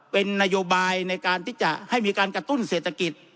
เป็นนโยบายในการที่จะให้มีการกระตุ้นเศรษฐกิจ